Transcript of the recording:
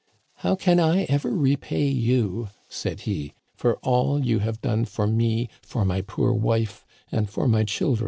"How can I ever repay you," said he, "for all you have done for me, for my poor wife, and for my chil dren?"